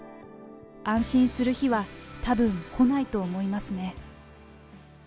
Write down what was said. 安心する日はたぶん来ないと思いますね。